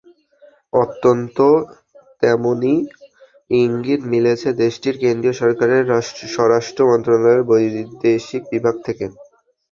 অন্তত তেমনই ইঙ্গিত মিলেছে দেশটির কেন্দ্রীয় সরকারের স্বরাষ্ট্র মন্ত্রণালয়ের বৈদেশিক বিভাগ থেকে।